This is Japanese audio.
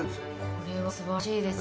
これはすばらしいです。